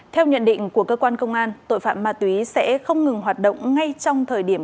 theo nhận định của cơ quan công an tội phạm ma túy sẽ không ngừng hoạt động ngay trong thời điểm